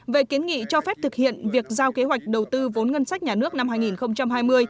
về kiến nghị cho phép thực hiện việc giao kế hoạch đầu tư vốn ngân sách nhà nước năm hai nghìn hai mươi